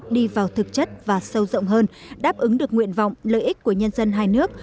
đi vào thực chất và sâu rộng hơn đáp ứng được nguyện vọng lợi ích của nhân dân hai nước